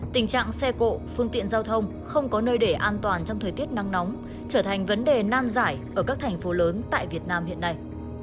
tại cổ phương tiện giao thông không có nơi để an toàn trong thời tiết nắng nóng trở thành vấn đề nan giải ở các thành phố lớn tại việt nam hiện nay